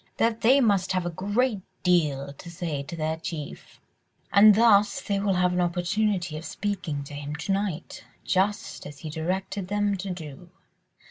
that they must have a great deal to say to their chief ... and thus they will have an opportunity of speaking to him to night, just as he directed them to do.